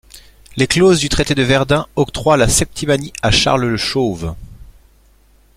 Les clauses du traité de Verdun octroient la Septimanie à Charles le Chauve.